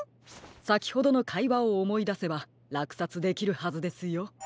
さきほどのかいわをおもいだせばらくさつできるはずですよ。